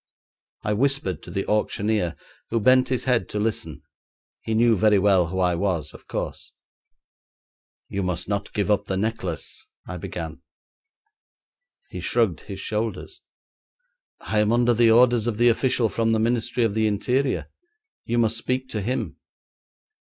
I whispered to the auctioneer, who bent his head to listen. He knew very well who I was, of course. 'You must not give up the necklace,' I began. He shrugged his shoulders. 'I am under the orders of the official from the Ministry of the Interior. You must speak to him.'